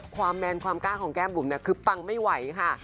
แมนความกล้าของแก้มบุ๋มเนี่ยคือปังไม่ไหวค่ะ